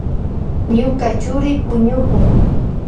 Ñuka churi puñukun.